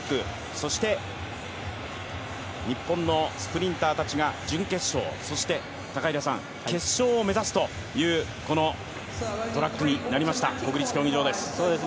そして日本のスプリンターたちが準決勝、そして決勝を目指すというこのトラックになりました、国立競技場です。